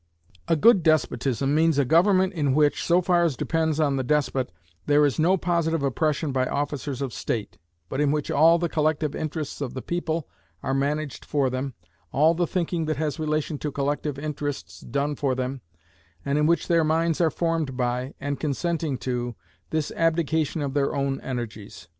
A good despotism means a government in which, so far as depends on the despot, there is no positive oppression by officers of state, but in which all the collective interests of the people are managed for them, all the thinking that has relation to collective interests done for them, and in which their minds are formed by, and consenting to, this abdication of their own energies.